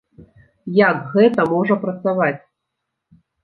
Як гэта можа працаваць?